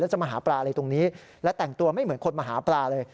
จะมาหาปลาอะไรตรงนี้และแต่งตัวไม่เหมือนคนมาหาปลาเลย